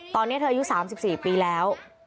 ตอนนี้เธออายุ๓๔ปีแล้ว